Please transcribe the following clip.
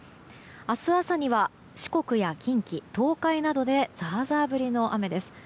明日朝には四国や近畿・東海などでザーザー降りの雨です。